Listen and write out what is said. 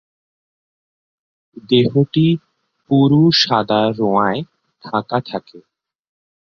দেহটি পুরু সাদা রোঁয়ায় ঢাকা থাকে।